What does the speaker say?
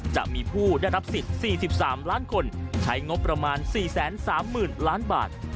จะมีผู้ได้รับสิทธิ์๔๓ล้านคนใช้งบประมาณ๔๓๐๐๐ล้านบาท